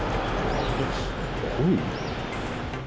すごいよ。